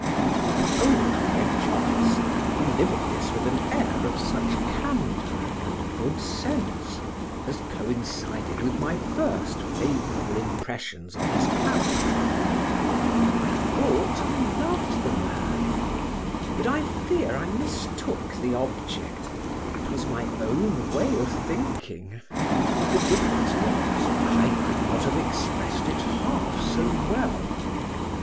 The old French officer delivered this with an air of such candour and good sense, as coincided with my first favourable impressions of his character:—I thought I loved the man; but I fear I mistook the object;—'twas my own way of thinking—the difference was, I could not have expressed it half so well.